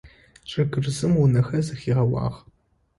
ЧӀыгырзым унэхэр зэхигъэуагъ.